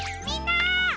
みんな！